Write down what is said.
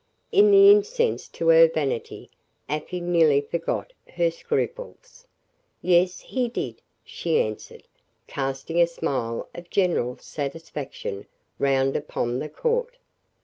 In the incense to her vanity, Afy nearly forgot her scruples. "Yes, he did," she answered, casting a smile of general satisfaction round upon the court.